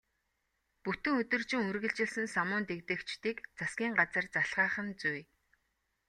Бүтэн өдөржин үргэлжилсэн самуун дэгдээгчдийг засгийн газар залхаах нь зүй.